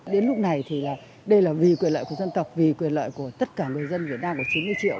đến lúc này thì đây là vì quyền lợi của dân tộc vì quyền lợi của tất cả người dân việt nam của chín mươi triệu